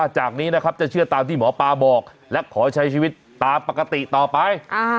จากนี้นะครับจะเชื่อตามที่หมอปลาบอกและขอใช้ชีวิตตามปกติต่อไป